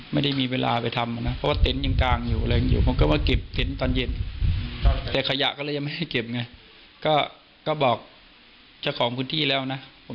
ไม่ได้มีเวลาไปทำ